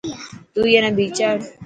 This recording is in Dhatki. تون اي نا ڀيچاڙ.